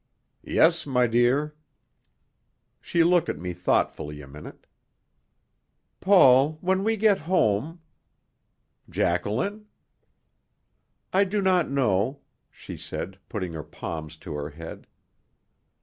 "Yes, my dear." She looked at me thoughtfully a minute. "Paul, when we get home " "Jacqueline?" "I do not know," she said, putting her palms to her head.